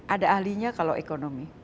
ada ahlinya kalau ekonomi